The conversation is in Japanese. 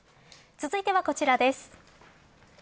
続いてはこちらです。